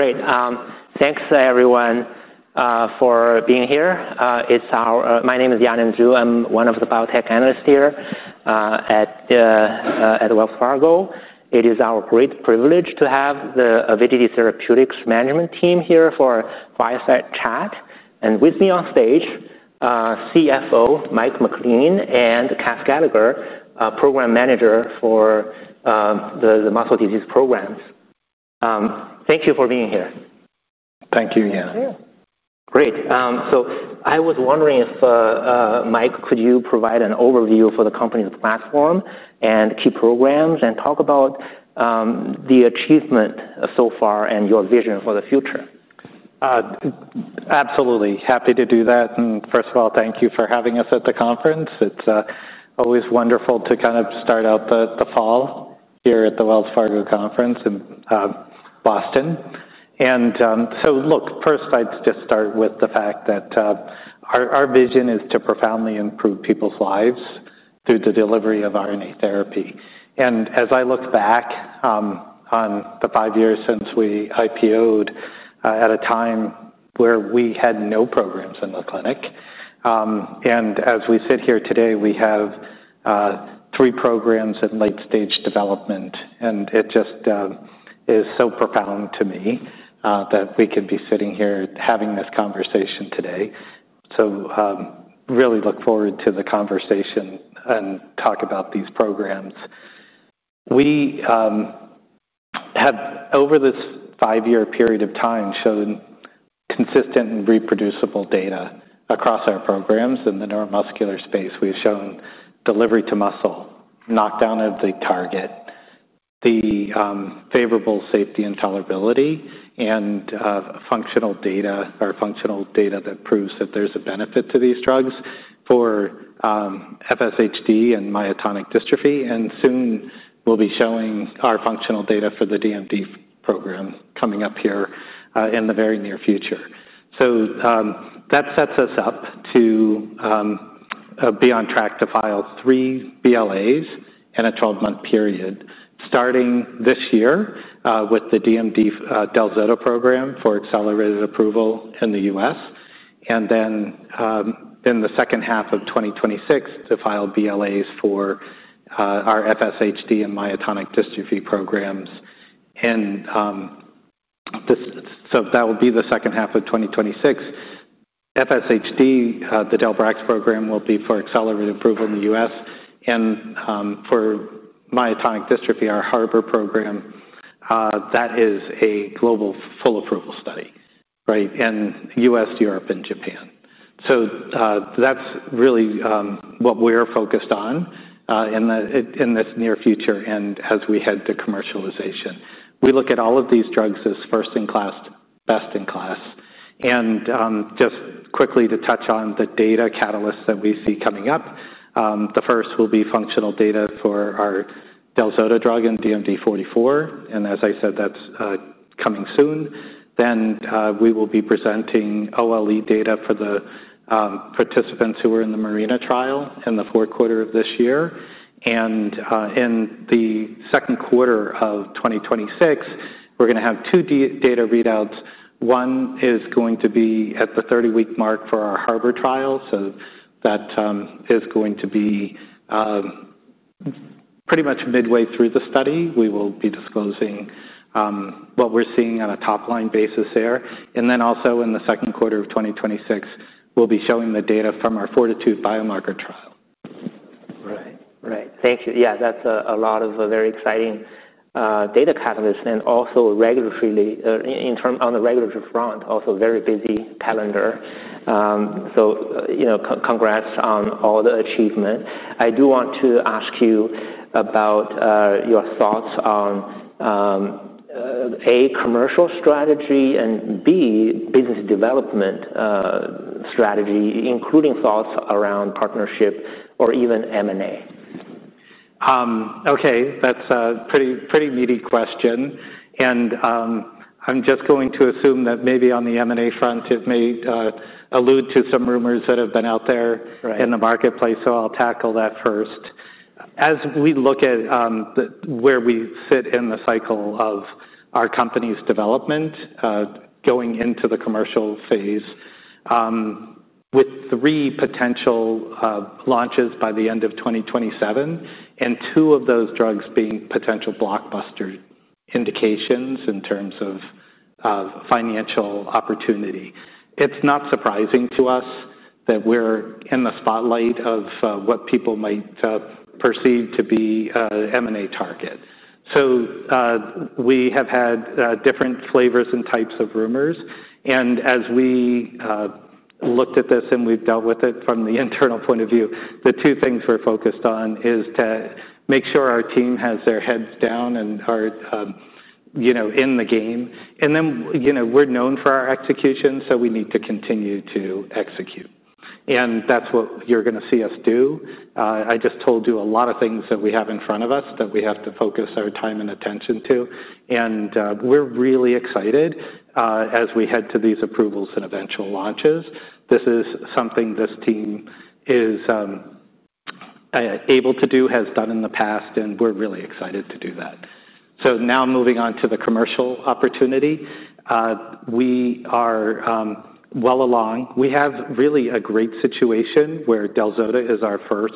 Great. Thanks, everyone, for being here. My name is Yana Andriu. I'm one of the biotech analysts here at Wells Fargo. It is our great privilege to have the Avidity Biosciences management team here for Fireside Chat. With me on stage, CFO Mike MacLean and Kath Gallagher, Program Manager for the Muscle Disease Programs. Thank you for being here. Thank you, Yana. Great. I was wondering if, Mike, could you provide an overview for the company's platform and key programs and talk about the achievement so far and your vision for the future? Absolutely. Happy to do that. First of all, thank you for having us at the conference. It's always wonderful to kind of start out the fall here at the Wells Fargo conference in Boston. Look, first, I'd just start with the fact that our vision is to profoundly improve people's lives through the delivery of RNA therapy. As I look back on the five years since we IPO-ed, at a time where we had no programs in the clinic, and as we sit here today, we have three programs in late-stage development. It just is so profound to me that we could be sitting here having this conversation today. I really look forward to the conversation and to talk about these programs. We have, over this five-year period of time, shown consistent and reproducible data across our programs in the neuromuscular space. We've shown delivery to muscle, knockdown of the target, favorable safety and tolerability, and functional data, or functional data that proves that there's a benefit to these drugs for FSHD and myotonic dystrophy. Soon, we'll be showing our functional data for the DMD program coming up here in the very near future. That sets us up to be on track to file three BLAs in a 12-month period, starting this year, with the DMD Delzeta program for accelerated approval in the U.S. In the second half of 2026, we plan to file BLAs for our FSHD and myotonic dystrophy programs. That will be the second half of 2026. FSHD, the Delbrax program, will be for accelerated approval in the U.S. For myotonic dystrophy, our Harbor program is a global full approval study, right? U.S., Europe, and Japan. That's really what we're focused on in this near future and as we head to commercialization. We look at all of these drugs as first-in-class, best-in-class. Just quickly to touch on the data catalysts that we see coming up, the first will be functional data for our Delzeta drug and DMD 44. As I said, that's coming soon. We will be presenting OLE data for the participants who were in the Marina trial in the fourth quarter of this year. In the second quarter of 2026, we're going to have two data readouts. One is going to be at the 30-week mark for our Harbor trial. That is going to be pretty much midway through the study. We will be disclosing what we're seeing on a top-line basis there. Also, in the second quarter of 2026, we'll be showing the data from our Fortitude biomarker trial. Right. Thank you. Yeah, that's a lot of very exciting data catalysts. Also, on the regulatory front, a very busy calendar. Congrats on all the achievement. I do want to ask you about your thoughts on A, commercial strategy and B, business development strategy, including thoughts around partnership or even M&A. Okay. That's a pretty, pretty meaty question. I'm just going to assume that maybe on the M&A front, it may allude to some rumors that have been out there in the marketplace. I'll tackle that first. As we look at where we sit in the cycle of our company's development, going into the commercial phase, with three potential launches by the end of 2027 and two of those drugs being potential blockbuster indications in terms of financial opportunity, it's not surprising to us that we're in the spotlight of what people might perceive to be an M&A target. We have had different flavors and types of rumors. As we looked at this and we've dealt with it from the internal point of view, the two things we're focused on are to make sure our team has their heads down and are, you know, in the game. We're known for our execution, so we need to continue to execute. That's what you're going to see us do. I just told you a lot of things that we have in front of us that we have to focus our time and attention to. We're really excited as we head to these approvals and eventual launches. This is something this team is able to do, has done in the past, and we're really excited to do that. Now moving on to the commercial opportunity, we are well along. We have really a great situation where Delzeta is our first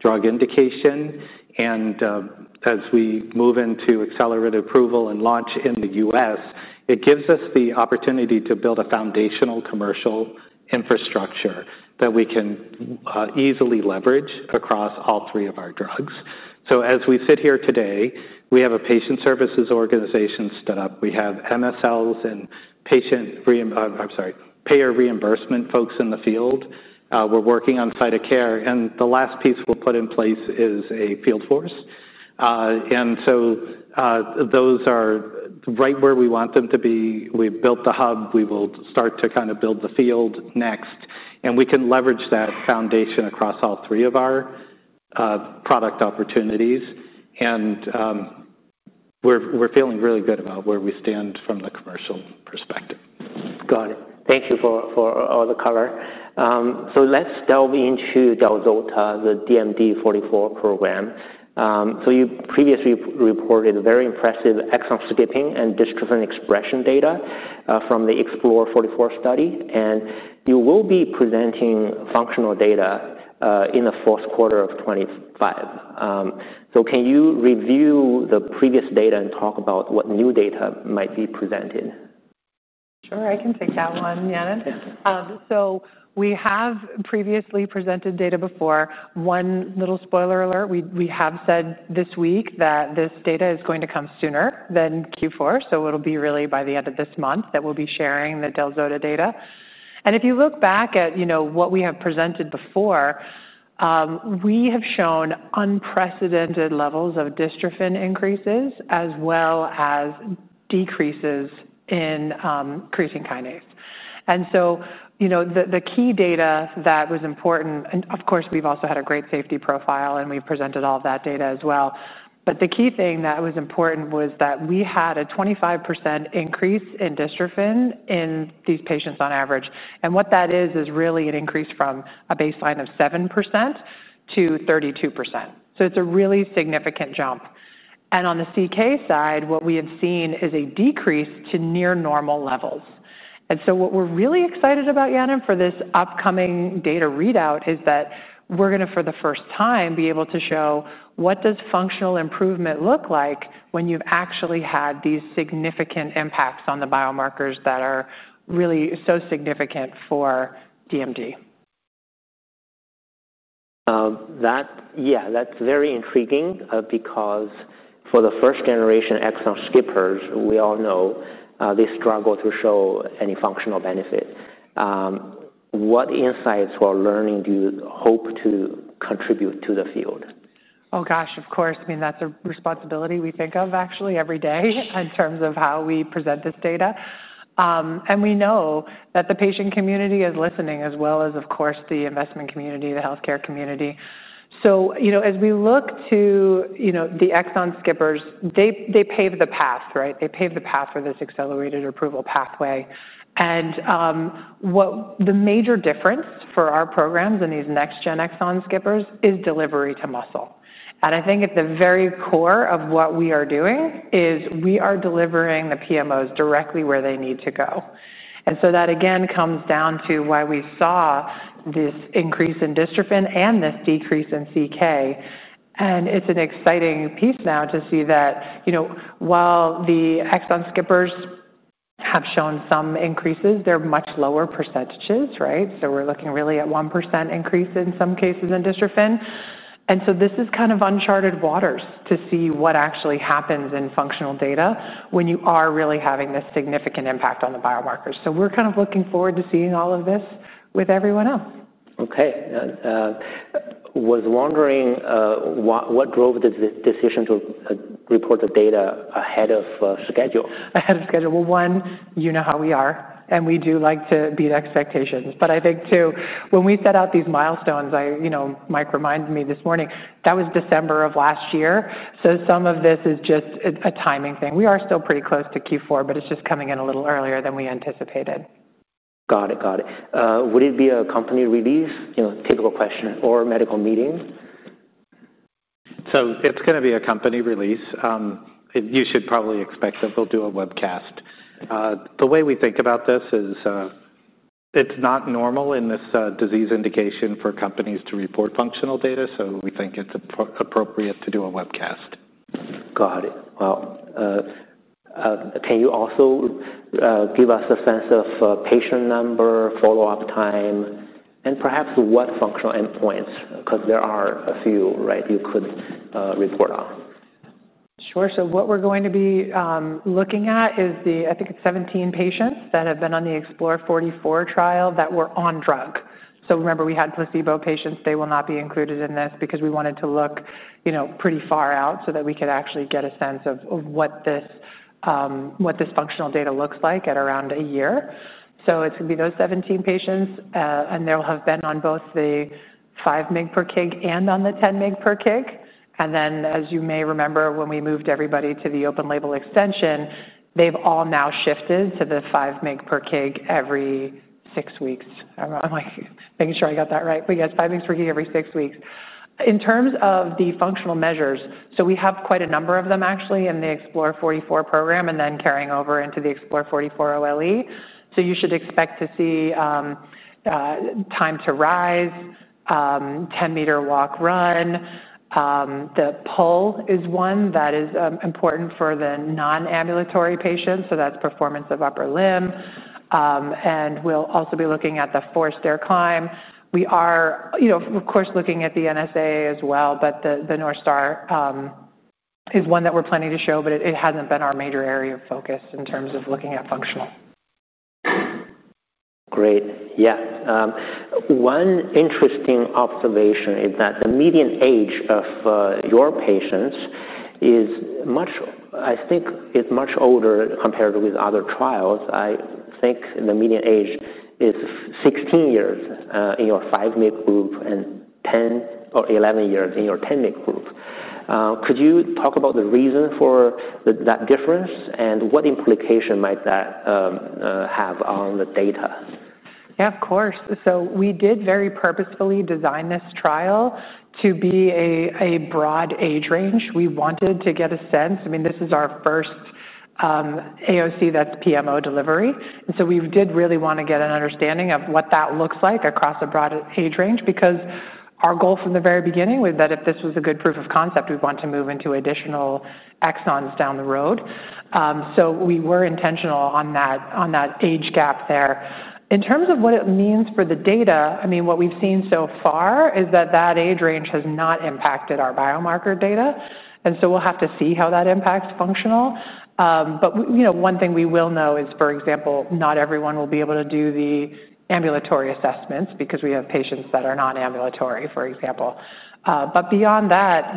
drug indication. As we move into accelerated approval and launch in the U.S., it gives us the opportunity to build a foundational commercial infrastructure that we can easily leverage across all three of our drugs. As we sit here today, we have a patient services organization stood up. We have MSLs and patient re—I'm sorry, payer reimbursement folks in the field. We're working on cytocare. The last piece we'll put in place is a field force. Those are right where we want them to be. We've built the hub. We will start to kind of build the field next. We can leverage that foundation across all three of our product opportunities. We're feeling really good about where we stand from the commercial perspective. Got it. Thank you for all the cover. Let's delve into Delzeta, the DMD 44 program. You previously reported very impressive exon skipping and dystrophin expression data from the Explore 44 study. You will be presenting functional data in the fourth quarter of 2025. Can you review the previous data and talk about what new data might be presented? Sure. I can take that one, Yana. We have previously presented data before. One little spoiler alert, we have said this week that this data is going to come sooner than Q4. It will be really by the end of this month that we'll be sharing the Delzeta data. If you look back at what we have presented before, we have shown unprecedented levels of dystrophin increases as well as decreases in creatine kinase. The key data that was important, and of course, we've also had a great safety profile and we've presented all of that data as well. The key thing that was important was that we had a 25% increase in dystrophin in these patients on average. What that is, is really an increase from a baseline of 7%- 32%. It's a really significant jump. On the CK side, what we have seen is a decrease to near normal levels. What we're really excited about, Yana, for this upcoming data readout is that we're going to, for the first time, be able to show what does functional improvement look like when you've actually had these significant impacts on the biomarkers that are really so significant for DMD. Yeah, that's very intriguing because for the first generation exon skippers, we all know they struggle to show any functional benefit. What insights or learning do you hope to contribute to the field? Of course. I mean, that's a responsibility we think of actually every day in terms of how we present this data. We know that the patient community is listening as well as, of course, the investment community, the healthcare community. As we look to the exon skippers, they pave the path, right? They pave the path for this accelerated approval pathway. What the major difference for our programs in these next-gen exon skippers is delivery to muscle. I think at the very core of what we are doing is we are delivering the PMOs directly where they need to go. That, again, comes down to why we saw this increase in dystrophin and this decrease in CK. It's an exciting piece now to see that, while the exon skippers have shown some increases, they're much lower percentages, right? We're looking really at 1% increase in some cases in dystrophin. This is kind of uncharted waters to see what actually happens in functional data when you are really having this significant impact on the biomarkers. We're kind of looking forward to seeing all of this with everyone else. Okay. I was wondering, what drove the decision to report the data ahead of schedule? Ahead of schedule. You know how we are, and we do like to beat expectations. I think, too, when we set out these milestones, Mike reminded me this morning that was December of last year. Some of this is just a timing thing. We are still pretty close to Q4, but it's just coming in a little earlier than we anticipated. Got it. Would it be a company release, you know, typical question, or a medical meeting? It is going to be a company release. You should probably expect that we'll do a webcast. The way we think about this is, it's not normal in this disease indication for companies to report functional data. We think it's appropriate to do a webcast. Got it. Can you also give us a sense of patient number, follow-up time, and perhaps what functional endpoints, because there are a few, right, you could report on? Sure. What we're going to be looking at is the, I think it's 17 patients that have been on the Explore 44 trial that were on drug. Remember, we had placebo patients. They will not be included in this because we wanted to look pretty far out so that we could actually get a sense of what this functional data looks like at around a year. It's going to be those 17 patients, and they'll have been on both the 5 mg per kg and on the 10 mg per kg. As you may remember, when we moved everybody to the open-label extension, they've all now shifted to the 5 mg per kg every six weeks. I'm making sure I got that right. Yes, 5 mg per kg every six weeks. In terms of the functional measures, we have quite a number of them, actually, in the Explore 44 program and then carrying over into the Explore 44 OLE. You should expect to see time to rise, 10-M Walk-Run. The pull is one that is important for the non-ambulatory patients, so that's performance of upper limb. We'll also be looking at the forced air climb. We are, of course, looking at the NSA as well, but the North Star is one that we're planning to show, but it hasn't been our major area of focus in terms of looking at functional. Great. One interesting observation is that the median age of your patients is much, I think, it's much older compared with other trials. I think the median age is 16 years in your 5-mg group and 10 or 11 years in your 10-mg group. Could you talk about the reason for that difference and what implication might that have on the data? Of course. We did very purposefully design this trial to be a broad age range. We wanted to get a sense. This is our first AOC that's PMO delivery, and we did really want to get an understanding of what that looks like across a broad age range because our goal from the very beginning was that if this was a good proof of concept, we'd want to move into additional exons down the road. We were intentional on that age gap there. In terms of what it means for the data, what we've seen so far is that age range has not impacted our biomarker data. We'll have to see how that impacts functional. One thing we will know is, for example, not everyone will be able to do the ambulatory assessments because we have patients that are non-ambulatory, for example. Beyond that,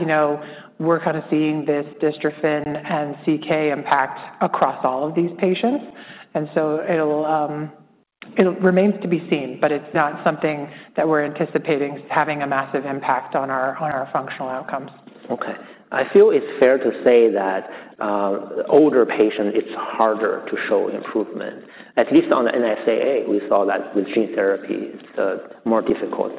we're kind of seeing this dystrophin and CK impact across all of these patients. It remains to be seen, but it's not something that we're anticipating having a massive impact on our functional outcomes. Okay. I feel it's fair to say that, older patients, it's harder to show improvement. At least on the NSAA, we saw that with gene therapy, it's more difficult,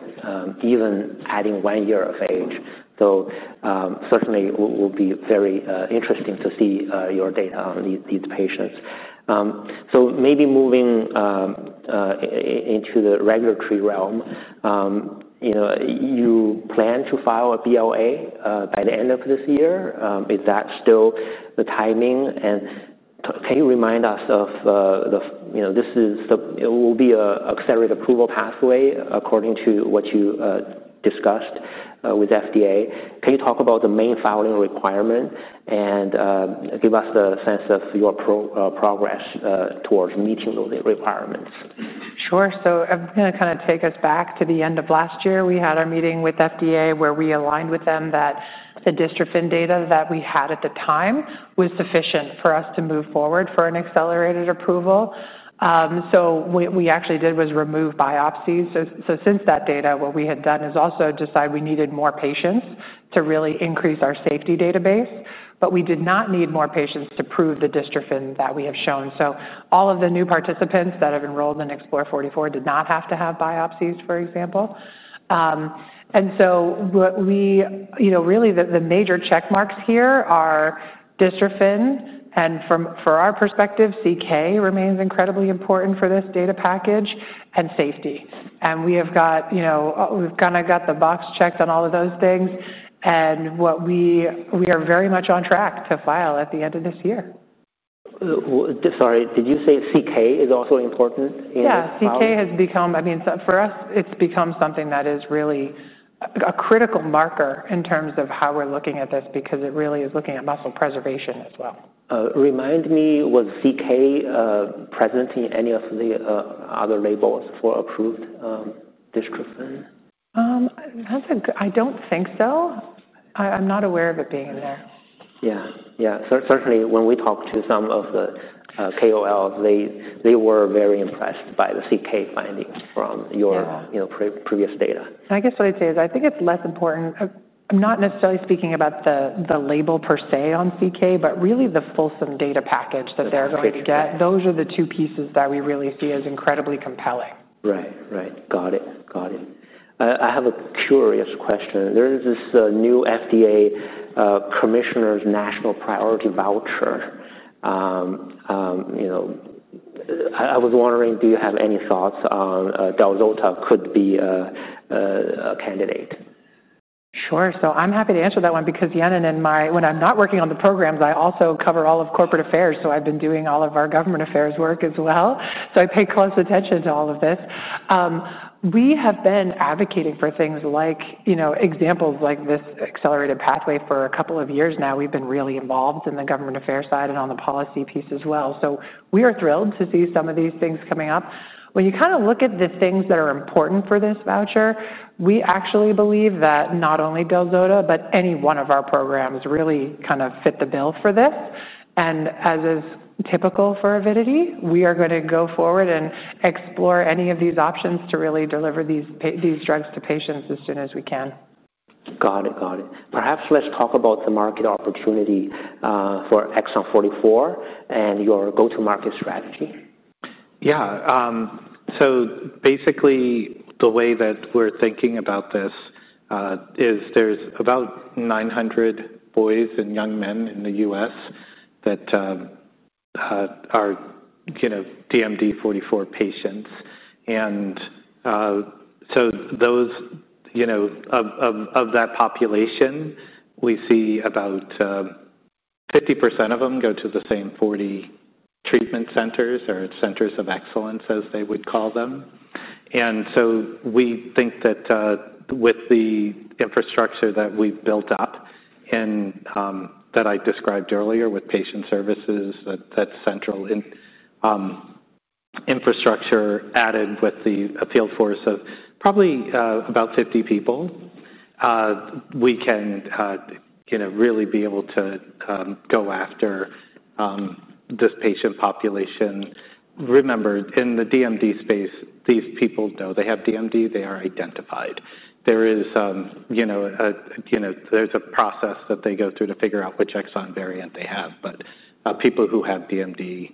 even adding one year of age. It will be very interesting to see your data on these patients. Maybe moving into the regulatory realm, you plan to file a BLA by the end of this year. Is that still the timing? Can you remind us of, you know, this is the, it will be an accelerated approval pathway according to what you discussed with FDA. Can you talk about the main filing requirement and give us a sense of your progress towards meeting those requirements? Sure. I'm going to kind of take us back to the end of last year. We had our meeting with FDA where we aligned with them that the dystrophin data that we had at the time was sufficient for us to move forward for an accelerated approval. What we actually did was remove biopsies. Since that data, what we had done is also decide we needed more patients to really increase our safety database. We did not need more patients to prove the dystrophin that we have shown. All of the new participants that have enrolled in Explore 44 did not have to have biopsies, for example. Really the major check marks here are dystrophin, and from our perspective, CK remains incredibly important for this data package and safety. We have got, you know, we've kind of got the box checks on all of those things. We are very much on track to file at the end of this year. Sorry, did you say CK is also important? Yeah, CK has become, I mean, for us, it's become something that is really a critical marker in terms of how we're looking at this because it really is looking at muscle preservation as well. Remind me, was CK present in any of the other labels for approved dystrophin? I don't think so. I'm not aware of it being in there. Yeah. Certainly, when we talked to some of the KOLs, they were very impressed by the creatine kinase findings from your, you know, previous data. I guess what I'd say is I think it's less important, not necessarily speaking about the label per se on CK, but really the fulsome data package that they're going to get. Those are the two pieces that we really see as incredibly compelling. Right. Got it. I have a curious question. There is this new FDA Commissioner's National Priority Voucher. I was wondering, do you have any thoughts on Delzeta could be a candidate? Sure. I'm happy to answer that one because Yana and I, when I'm not working on the programs, I also cover all of Corporate Affairs. I've been doing all of our government affairs work as well, so I pay close attention to all of this. We have been advocating for things like, you know, examples like this accelerated approval pathway for a couple of years now. We've been really involved in the government affairs side and on the policy piece as well. We are thrilled to see some of these things coming up. When you look at the things that are important for this voucher, we actually believe that not only Delzeta, but any one of our programs really fit the bill for this. As is typical for Avidity, we are going to go forward and explore any of these options to really deliver these drugs to patients as soon as we can. Got it. Got it. Perhaps let's talk about the market opportunity for exon 44 and your go-to-market strategy. Yeah. Basically, the way that we're thinking about this is there's about 900 boys and young men in the U.S., that are, you know, DMD 44 patients. Of that population, we see about 50% of them go to the same 40 treatment centers or centers of excellence, as they would call them. We think that with the infrastructure that we've built up, and that I described earlier with patient services, that central infrastructure added with the field force of probably about 50 people, we can really be able to go after this patient population. Remember, in the DMD space, these people know they have DMD; they are identified. There is a process that they go through to figure out which exon variant they have. People who have DMD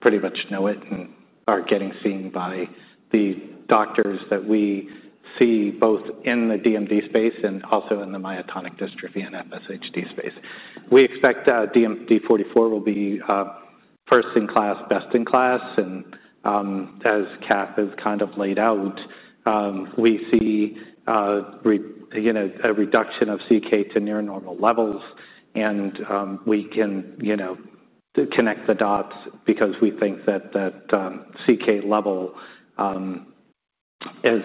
pretty much know it and are getting seen by the doctors that we see both in the DMD space and also in the myotonic dystrophy and FSHD space. We expect DMD 44 will be first-in-class, best-in-class. As Kath has kind of laid out, we see a reduction of CK to near normal levels. We can connect the dots because we think that CK level, as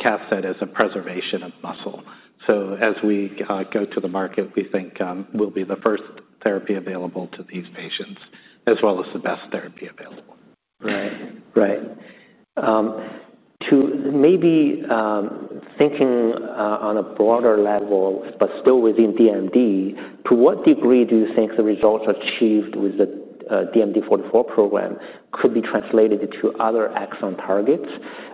Kath said, is a preservation of muscle. As we go to the market, we think we'll be the first therapy available to these patients as well as the best therapy available. Right. To maybe thinking on a broader level, but still within DMD, to what degree do you think the results achieved with the DMD exon 44 program could be translated to other exon targets?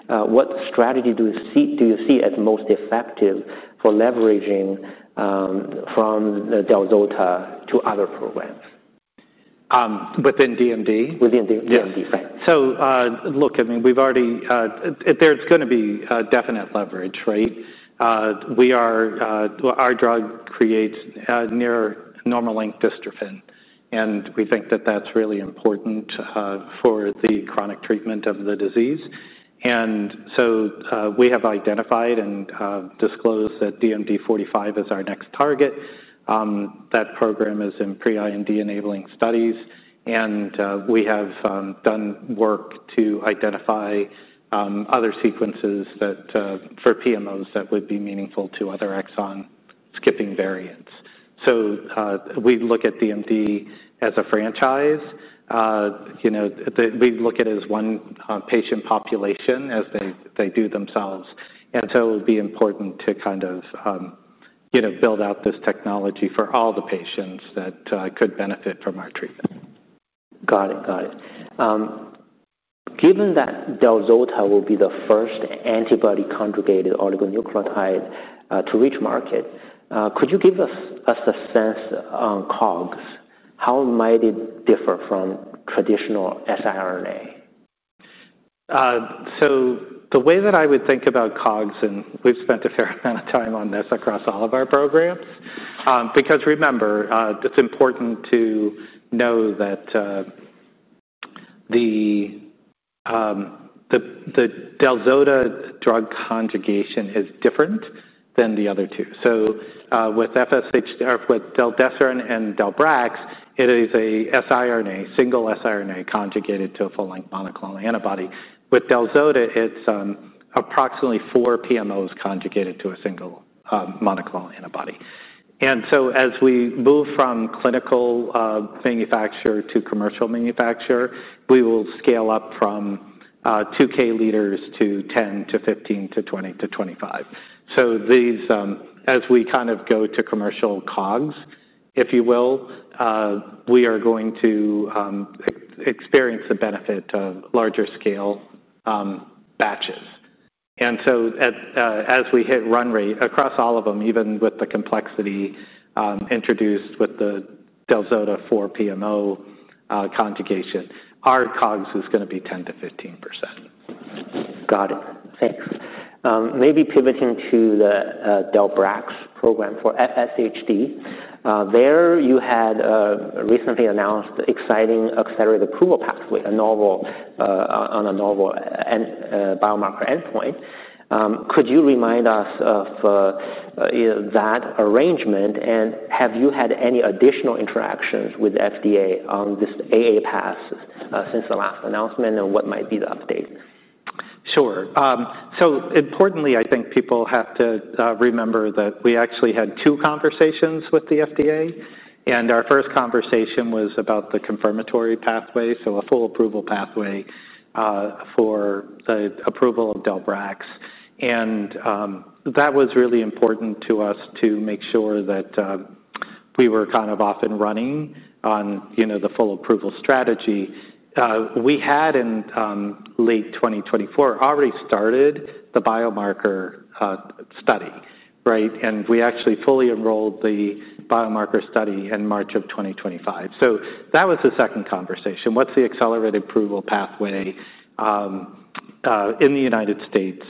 What strategy do you see as most effective for leveraging from Delzeta to other programs? Within DMD? Within DMD, sorry. Look, we've already, there, it's going to be a definite leverage, right? We are, our drug creates near normal length dystrophin, and we think that that's really important for the chronic treatment of the disease. We have identified and disclosed that DMD 45 is our next target. That program is in pre-IND enabling studies, and we have done work to identify other sequences that, for PMOs, would be meaningful to other exon skipping variants. We look at DMD as a franchise. You know, we look at it as one patient population as they do themselves. It would be important to kind of build out this technology for all the patients that could benefit from our treatment. Got it. Given that Delzeta will be the first Antibody Oligonucleotide Conjugate, to which market, could you give us a sense on COGS? How might it differ from traditional siRNA? The way that I would think about COGS, and we've spent a fair amount of time on this across all of our programs, because remember, it's important to know that the Delzeta drug conjugation is different than the other two. With FSH, with Deldeseron and Delbrax, it is a siRNA, single siRNA conjugated to a full-length monoclonal antibody. With Delzeta, it's approximately four PMOs conjugated to a single monoclonal antibody. As we move from clinical manufacturer to commercial manufacturer, we will scale up from 2,000 L- 10,000 L- 15,000- 20,000 L- 25,000 L. As we kind of go to commercial COGS, if you will, we are going to experience the benefit of larger scale batches. As we hit run rate across all of them, even with the complexity introduced with the Delzeta 4 PMO conjugation, our COGS is going to be 10%- 15%. Got it. Thanks. Maybe pivoting to the Delbrax program for FSHD, you had recently announced the exciting accelerated approval pathway on a novel biomarker endpoint. Could you remind us of that arrangement? Have you had any additional interactions with the FDA on this AA path since the last announcement, and what might be the update? Sure. Importantly, I think people have to remember that we actually had two conversations with the FDA. Our first conversation was about the confirmatory pathway, so a full approval pathway, for the approval of Delbrax. That was really important to us to make sure that we were kind of off and running on the full approval strategy. We had in late 2024 already started the biomarker study, right? We actually fully enrolled the biomarker study in March of 2025. That was the second conversation. What's the accelerated approval pathway in the United States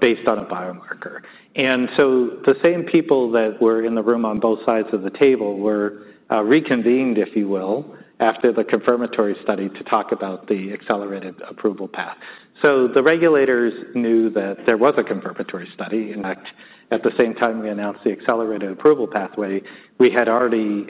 based on a biomarker? The same people that were in the room on both sides of the table were reconvened, if you will, after the confirmatory study to talk about the accelerated approval path. The regulators knew that there was a confirmatory study. In fact, at the same time we announced the accelerated approval pathway, we had already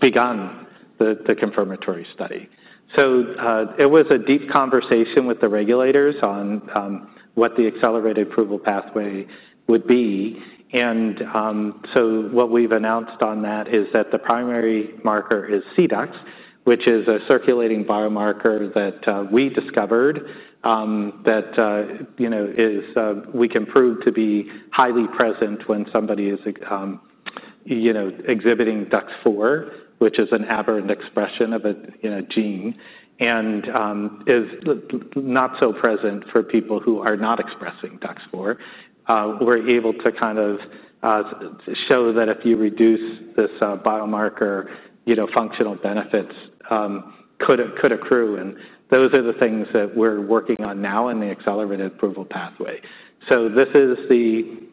begun the confirmatory study. It was a deep conversation with the regulators on what the accelerated approval pathway would be. What we've announced on that is that the primary marker is C-Dux, which is a circulating biomarker that we discovered, that is, we can prove to be highly present when somebody is exhibiting DUX4, which is an aberrant expression of a gene, and is not so present for people who are not expressing DUX4. We're able to show that if you reduce this biomarker, functional benefits could accrue. Those are the things that we're working on now in the accelerated approval pathway. The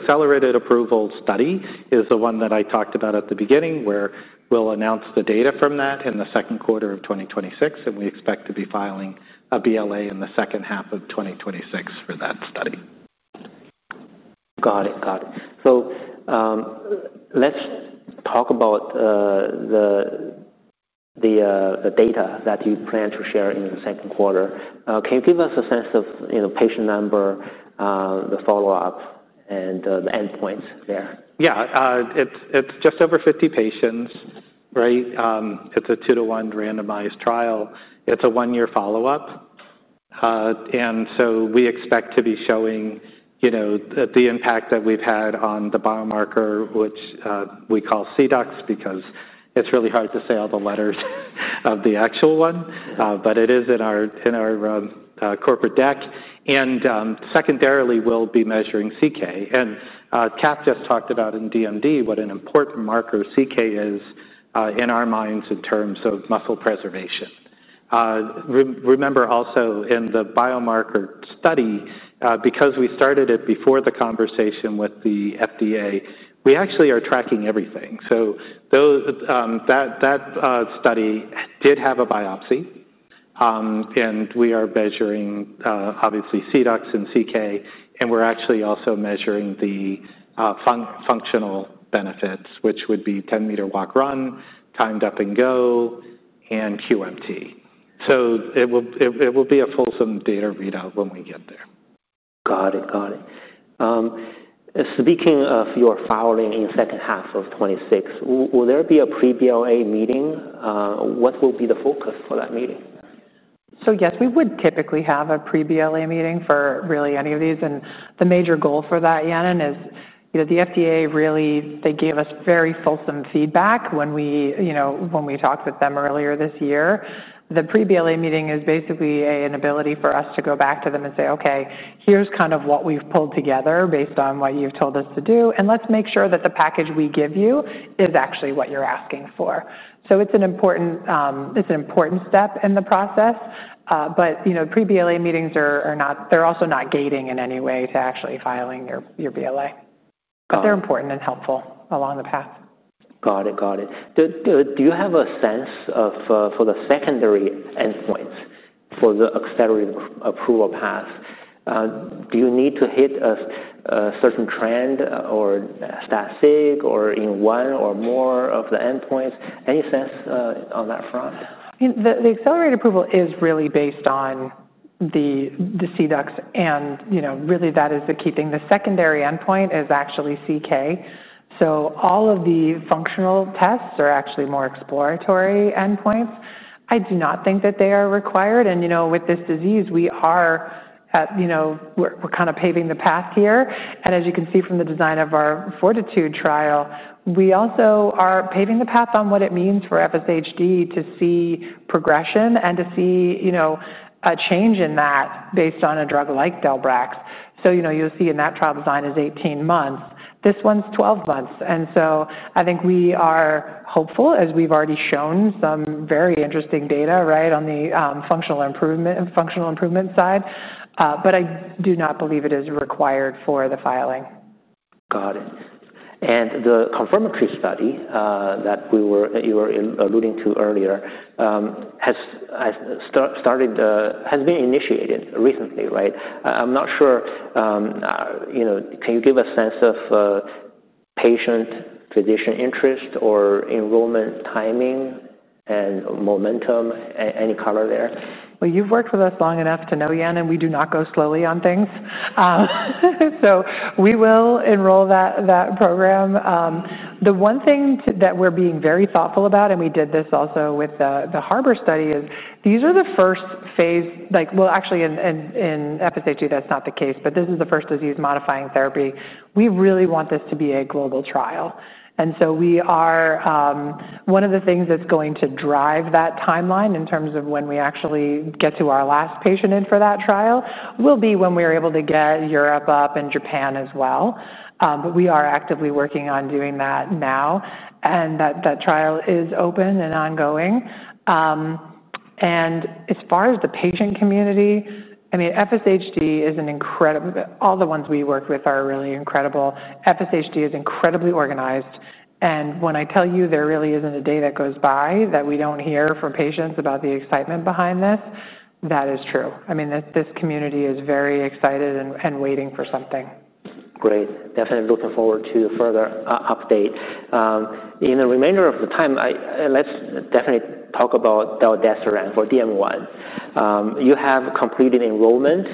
accelerated approval study is the one that I talked about at the beginning where we'll announce the data from that in the second quarter of 2026. We expect to be filing a BLA in the second half of 2026 for that study. Got it. Let's talk about the data that you plan to share in the second quarter. Can you give us a sense of patient number, the follow-up, and the endpoints there? Yeah, it's just over 50 patients, right? It's a two-to-one randomized trial. It's a one-year follow-up, and we expect to be showing the impact that we've had on the biomarker, which we call C-Dux because it's really hard to say all the letters of the actual one. It is in our corporate deck. Secondarily, we'll be measuring CK. Kath just talked about in DMD what an important marker CK is, in our minds in terms of muscle preservation. Remember also in the biomarker study, because we started it before the conversation with the FDA, we actually are tracking everything. That study did have a biopsy, and we are measuring obviously C-Dux and CK. We're actually also measuring the functional benefits, which would be 10-M Walk-Run, Timed Up and Go, and QMT. It will be a fulsome data readout when we get there. Got it. Got it. Speaking of your filing in the second half of 2026, will there be a pre-BLA meeting? What will be the focus for that meeting? Yes, we would typically have a pre-BLA meeting for really any of these. The major goal for that, Yana, is, you know, the FDA really gave us very fulsome feedback when we, you know, when we talked with them earlier this year. The pre-BLA meeting is basically an ability for us to go back to them and say, okay, here's kind of what we've pulled together based on what you've told us to do. Let's make sure that the package we give you is actually what you're asking for. It's an important step in the process. You know, pre-BLA meetings are not, they're also not gating in any way to actually filing your BLA. They're important and helpful along the path. Got it. Do you have a sense of, for the secondary endpoints for the accelerated approval pathway, do you need to hit a certain trend or static or in one or more of the endpoints? Any sense on that front? The accelerated approval is really based on the C-Dux, and that is the key thing. The secondary endpoint is actually CK. All of the functional tests are actually more exploratory endpoints. I do not think that they are required. With this disease, we are kind of paving the path here. As you can see from the design of our Fortitude trial, we also are paving the path on what it means for FSHD to see progression and to see a change in that based on a drug like Delbrax. You will see in that trial design it is 18 months. This one is 12 months. I think we are hopeful, as we have already shown some very interesting data on the functional improvement side. I do not believe it is required for the filing. Got it. The confirmatory study that you were alluding to earlier has started, has been initiated recently, right? I'm not sure, you know, can you give a sense of patient tradition interest or enrollment timing and momentum, any color there? You've worked with us long enough to know, Yan, we do not go slowly on things. We will enroll that program. The one thing that we're being very thoughtful about, and we did this also with the Harbor trial, is these are the first phase, like, well, actually, in FSHD, that's not the case, but this is the first disease modifying therapy. We really want this to be a global trial. One of the things that's going to drive that timeline in terms of when we actually get to our last patient in for that trial will be when we're able to get Europe up and Japan as well. We are actively working on doing that now. That trial is open and ongoing. As far as the patient community, FSHD is incredible, all the ones we worked with are really incredible. FSHD is incredibly organized. When I tell you there really isn't a day that goes by that we don't hear from patients about the excitement behind this, that is true. This community is very excited and waiting for something. Great. Definitely looking forward to the further update. In the remainder of the time, let's definitely talk about Deldeseron for DM1. You have completed enrollment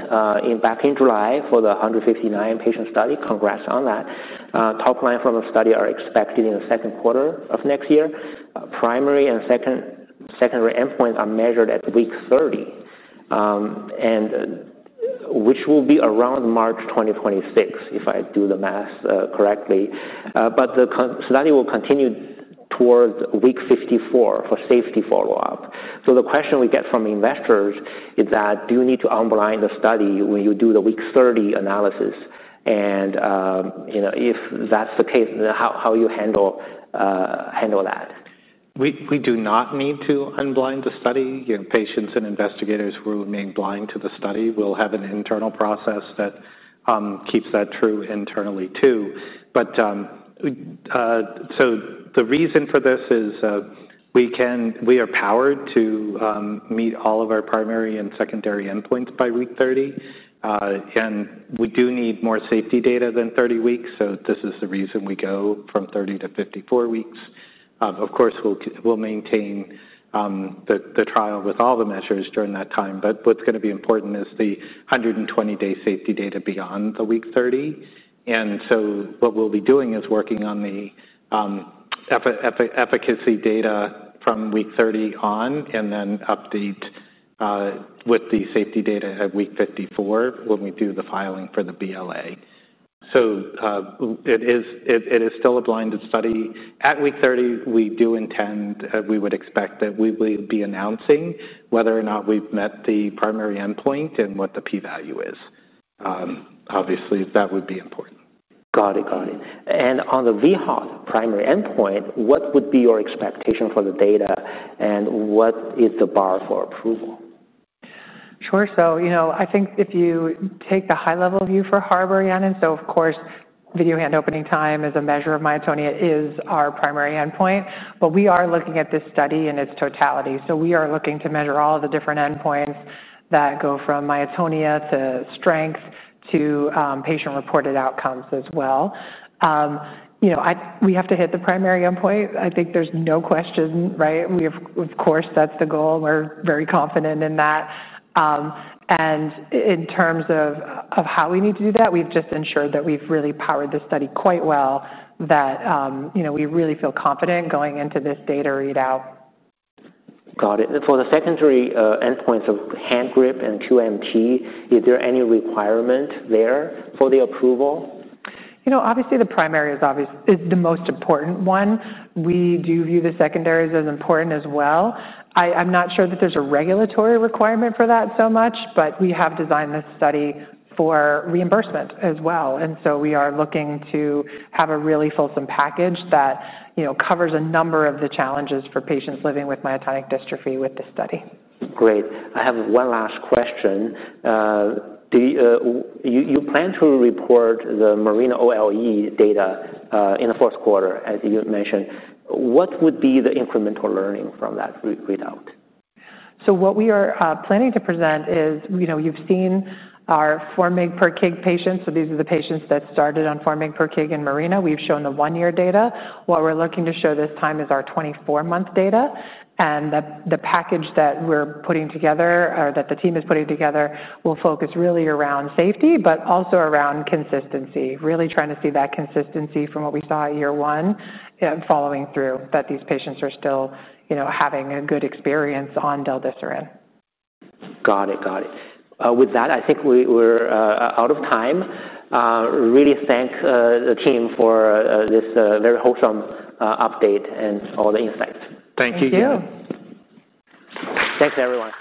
back in July for the 159-patient study. Congrats on that. Top-line from the study are expected in the second quarter of next year. Primary and secondary endpoints are measured at week 30, which will be around March 2026, if I do the math correctly. The study will continue towards week 54 for safety follow-up. The question we get from investors is that do you need to unblind the study when you do the week 30 analysis? If that's the case, how you handle that. We do not need to unblind the study. Patients and investigators who remain blind to the study will have an internal process that keeps that true internally too. The reason for this is, we are powered to meet all of our primary and secondary endpoints by week 30. We do need more safety data than 30 weeks. This is the reason we go from 30- 54 weeks. Of course, we'll maintain the trial with all the measures during that time. What's going to be important is the 120-day safety data beyond week 30. What we'll be doing is working on the efficacy data from week 30 on and then update with the safety data at week 54 when we do the filing for the BLA. It is still a blinded study. At week 30, we do intend, we would expect that we will be announcing whether or not we've met the primary endpoint and what the p-value is. Obviously, that would be important. Got it. On the VHOT primary endpoint, what would be your expectation for the data, and what is the bar for approval? Sure. I think if you take the high-level view for Harbor, Yana, of course, video hand opening time as a measure of myotonia is our primary endpoint. We are looking at this study in its totality. We are looking to measure all of the different endpoints that go from myotonia to strength to patient-reported outcomes as well. We have to hit the primary endpoint. I think there's no question, right? Of course, that's the goal. We're very confident in that. In terms of how we need to do that, we've just ensured that we've really powered the study quite well. We really feel confident going into this data readout. Got it. For the secondary endpoints of hand grip and QMT, is there any requirement there for the approval? Obviously, the primary is obviously the most important one. We do view the secondaries as important as well. I'm not sure that there's a regulatory requirement for that so much, but we have designed this study for reimbursement as well. We are looking to have a really fulsome package that covers a number of the challenges for patients living with myotonic dystrophy with this study. Great. I have one last question. Do you plan to report the Marina OLE data in the fourth quarter, as you mentioned? What would be the incremental learning from that readout? What we are planning to present is, you know, you've seen our 4 mg per kg patients. These are the patients that started on 4 mg per kg in Marina. We've shown the one-year data. What we're looking to show this time is our 24-month data. The package that we're putting together, or that the team is putting together, will focus really around safety, but also around consistency, really trying to see that consistency from what we saw at year one and following through that these patients are still, you know, having a good experience on Deldeseron. Got it. Got it. With that, I think we're out of time. Really thank the team for this very wholesome update and all the insights. Thank you, Yan. Thanks, everyone.